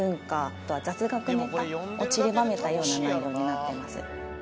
あとは雑学ネタをちりばめたような内容になってます